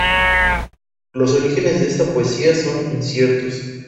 Los orígenes de esta poesía son inciertos.